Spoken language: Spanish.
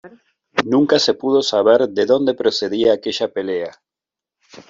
Nunca se pudo saber de donde procedía aquella pelea.